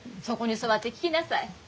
そこに座って聞きなさい。